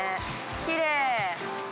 きれい。